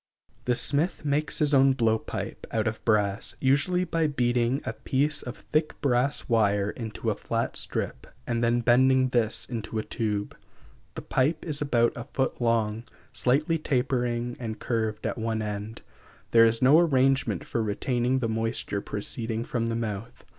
The smith makes his own blow pipe, out of brass, usually by beating a piece of thick brass wire into a flat strip, and then bending this into a tube. The pipe is about a foot long, slightly tapering and curved at one end; there is no arrangement for retaining the moisture proceeding from the mouth.